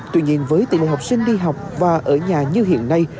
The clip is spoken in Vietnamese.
tuy nhiên với tỷ lệ học sinh đi học và ở nhà như hiện nay